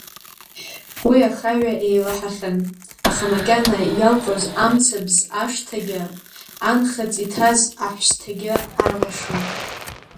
Уи ахаҩа еилаҳахьан, аха макьана иалҟьоз амцабз ашҭагьы, анхыҵ иҭаз аҳәсҭагьы арлашон.